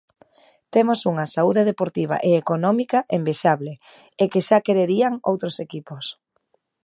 Temos unha saúde deportiva e económica envexable e que xa quererían outros equipos.